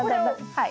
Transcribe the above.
はい。